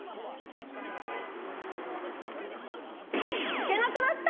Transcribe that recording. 行けなくなった？